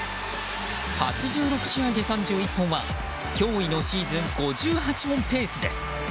８６試合で３１本は驚異のシーズン５８本ペースです。